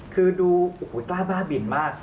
คือดูกล้าบ้าบินมาก